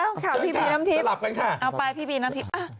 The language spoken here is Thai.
เอาข่าวพี่บีน้ำทิพย์เอาไปพี่บีน้ำทิพย์